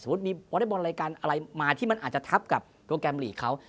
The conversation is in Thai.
มีวอเล็กบอลรายการอะไรมาที่มันอาจจะทับกับโปรแกรมลีกเขา